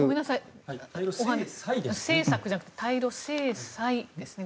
対ロ政策ではなくて対ロ制裁ですね。